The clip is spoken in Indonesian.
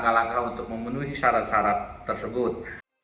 untuk memenuhi syarat syarat tersebut